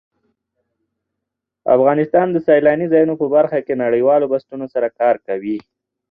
افغانستان د سیلانی ځایونه په برخه کې نړیوالو بنسټونو سره کار کوي.